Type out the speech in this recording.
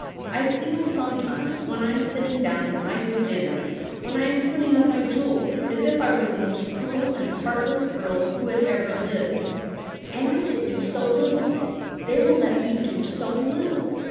' I feel sometimes, when I am sitting down to my good dinner — when I am putting on my jewels — as if I were the most cruel and heartless girl who had ever lived. And I can do so little. They will let me do so little.